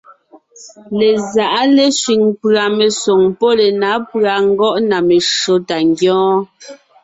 Lezáʼa lésẅiŋ pʉ̀a mesoŋ pɔ́ lenǎ pʉ̀a ngɔ́ʼ na meshÿó tà ńgyɔ́ɔn.